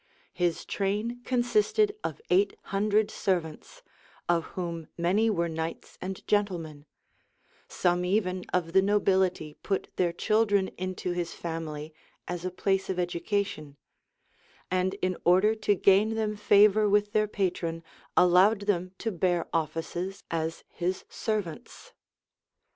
His train consisted of eight hundred servants, of whom many were knights and gentlemen; some even of the nobility put their children into his family as a place of education; and in order to gain them favor with their patron, allowed them to bear offices as his servants.